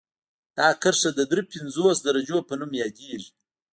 دا کرښه د دري پنځوس درجو په نوم یادیږي